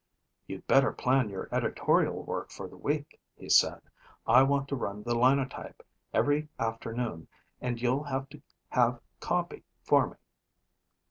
"You'd better plan your editorial work for the week," he said. "I want to run the Linotype every afternoon and you'll have to have copy for me."